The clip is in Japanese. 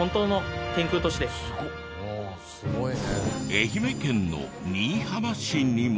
愛媛県の新居浜市にも。